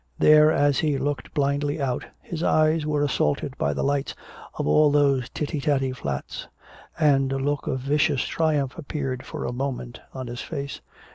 There as he looked blindly out, his eyes were assaulted by the lights of all those titty tatty flats. And a look of vicious triumph appeared for a moment on his face.